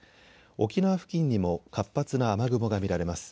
沖縄付近にも活発な雨雲が見られます。